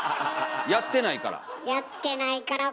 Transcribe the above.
やってないから。